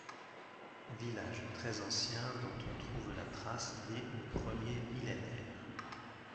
Village très ancien dont on trouve la trace dès le premier millénaire.